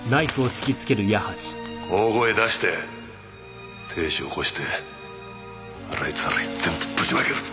大声出して亭主起こして洗いざらい全部ぶちまけるぞ。